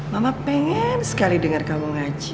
mama pengen sekali dengar kamu ngaji